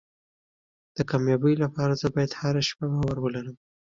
د کامیابۍ لپاره زه باید هره شپه باور ولرم.